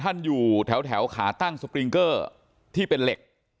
อยู่แถวขาตั้งสปริงเกอร์ที่เป็นเหล็ก